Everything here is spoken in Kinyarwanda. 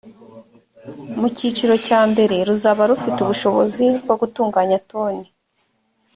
mu cyiciro cya mbere ruzaba rufite ubushobozi bwo gutunganya toni